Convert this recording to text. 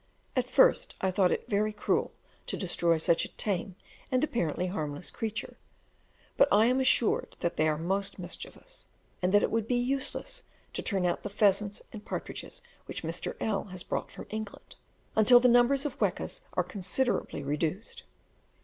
At first I thought it very cruel to destroy such a tame and apparently harmless creature, but I am assured that they are most mischievous, and that it would be useless to turn out the pheasants and partridges which Mr. L has brought from England, until the numbers of the wekas are considerably reduced.